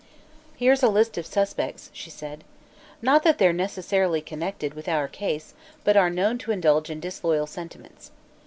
"Here's a list of suspects," she said. "Not that they're necessarily connected with our case, but are known to indulge in disloyal sentiments.